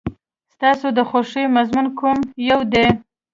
ستاسو د خوښې مضمون کوم یو دی؟